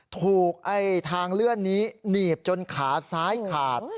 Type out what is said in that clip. ถูกทางเลื่อนนี้หนีบจนขาซ้ายขาด